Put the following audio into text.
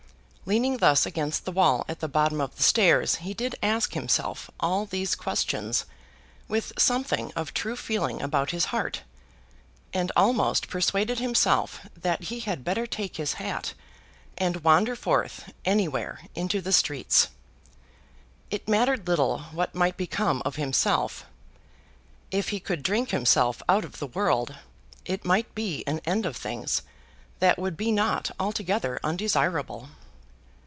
Leaning thus against the wall at the bottom of the stairs he did ask himself all these questions with something of true feeling about his heart, and almost persuaded himself that he had better take his hat and wander forth anywhere into the streets. It mattered little what might become of himself. If he could drink himself out of the world, it might be an end of things that would be not altogether undesirable.